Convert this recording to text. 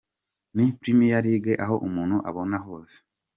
Ni Premier League aho umuntu abona hose.